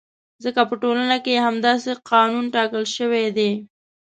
ځکه په ټولنه کې یې همداسې قانون ټاکل شوی دی.